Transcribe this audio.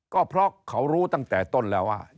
ก็เพราะเขารู้ตั้งแต่ต้นแล้วว่า